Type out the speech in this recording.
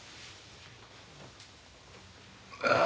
ああ。